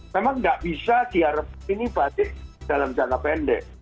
memang tidak bisa diharapkan ini balik dalam jangka pendek